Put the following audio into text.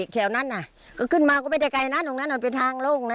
แถวนั้นอ่ะก็ขึ้นมาก็ไม่ได้ไกลนั้นตรงนั้นอ่ะเป็นทางโลกนั้น